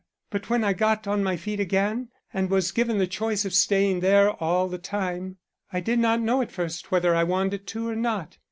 But when I got on my feet again, and was given the choice of staying there all the time, I did not know at first whether I wanted to or not.